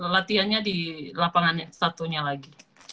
latihan nya di lapangan satunya lagi